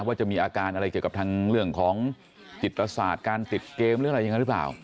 ว่าจะมีอาการอะไรเกี่ยวกับทางเรื่องของจิตศาสตร์การติดเกมหรืออะไรอย่างนั้นหรือเปล่า